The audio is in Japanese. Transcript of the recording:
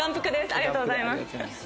ありがとうございます。